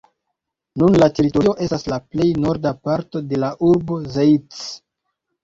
Nun la teritorio estas la plej norda parto de la urbo Zeitz.